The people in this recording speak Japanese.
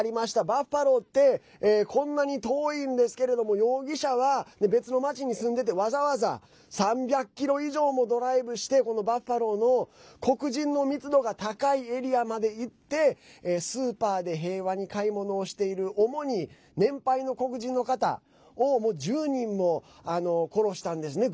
バファローってこんなに遠いんですけれども容疑者は別の町に住んでてわざわざ３００ｋｍ以上もドライブしてバファローの黒人の密度が高いエリアまで行ってスーパーで平和に買い物をしている主に年配の黒人の方を１０人も殺したんですね。